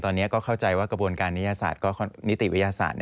ตอนนี้ก็เข้าใจว่ากระบวนการนิติวิทยาศาสตร์